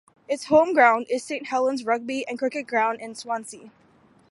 Its home ground is Saint Helens Rugby and Cricket Ground in Swansea.